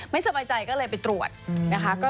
ไม่สบายใจก็เลยไปตรวจนะคะ